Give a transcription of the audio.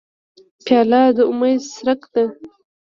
پیاله د امید څرک ده.